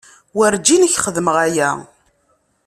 Werǧin ad k-xedmeɣ aya.